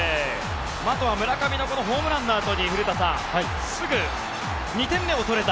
あとは村上のこのホームランのあとにすぐ２点目を取れた。